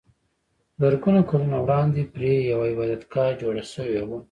زرګونه کلونه وړاندې پرې یوه عبادتګاه جوړه شوې وه.